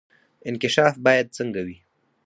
انکشاف باید څنګه وي؟